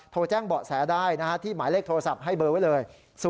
โทรแจ้งเบาะแสได้ที่หมายเลขโทรศัพท์ให้เบอร์ไว้เลย